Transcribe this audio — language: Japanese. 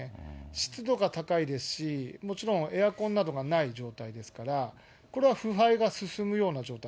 湿度が高いですし、もちろんエアコンなどがない状態ですから、これは腐敗が進むような状態。